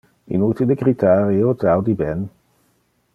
Inutile critar, io te audi ben.